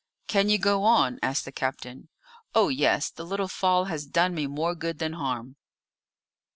"Can you go on?" asked the captain. "Oh, yes; the little fall has done me more good than harm."